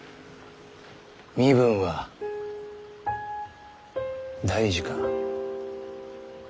身分は大事か？